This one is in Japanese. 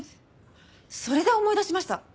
それで思い出しました。